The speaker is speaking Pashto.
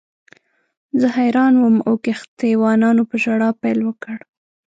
زه حیران وم او کښتۍ وانانو په ژړا پیل وکړ.